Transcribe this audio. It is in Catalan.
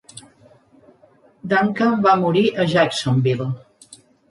Duncan va morir a Jacksonville.